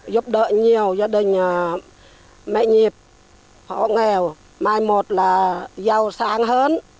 giúp đỡ nhiều gia đình mẹ nhíp họ nghèo mai một là giàu sáng hơn